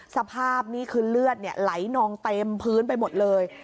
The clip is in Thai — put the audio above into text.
สภาพนี่คือเลือดไหลนองเต็มพื้นไปหมดเลย